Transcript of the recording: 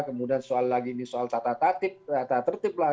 kemudian soal lagi ini soal tatap tata tertib lah